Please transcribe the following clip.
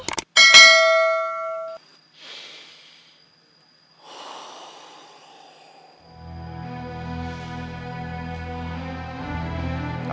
aku mau pergi ke rumah